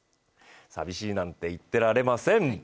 寂しいなんて、言ってられません。